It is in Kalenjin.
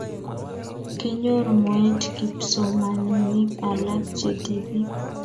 kinyoru moet kipsomaninik alak che tibik